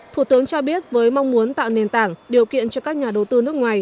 thủ tướng cho biết với mong muốn tạo nền tảng điều kiện cho các nhà đầu tư nước ngoài